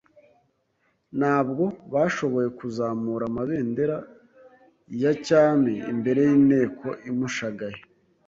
Ntabwo bashoboye kuzamura amabendera ya cyami imbere y'inteko imushagaye,